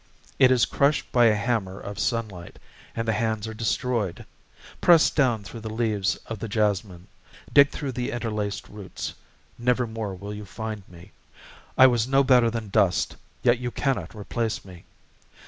It is crushed by a hammer of sunlight, And the hands are destroyed.... Press down through the leaves of the jasmine, Dig through the interlaced roots nevermore will you find me; I was no better than dust, yet you cannot replace me....